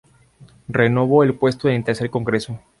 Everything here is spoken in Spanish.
Renovó el puesto en el tercer congreso.